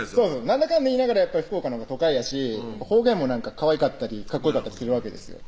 なんだかんだ言いながら福岡のほうが都会やし方言もかわいかったりかっこよかったりするわけですよ